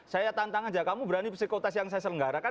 saya tantang aja kamu berani psikotest yang saya selenggarakan